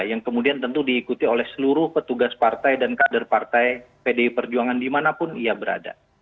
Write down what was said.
yang kemudian tentu diikuti oleh seluruh petugas partai dan kader partai pdi perjuangan dimanapun ia berada